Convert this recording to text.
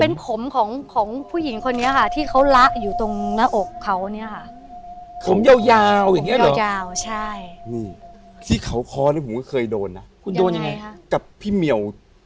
เป็นผมของผู้หญิงคนนี้ค่ะที่เขาละอยู่ตรงหน้าอกเขาเนี้ยค่ะ